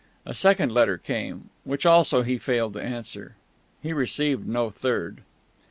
A second letter came, which also he failed to answer. He received no third.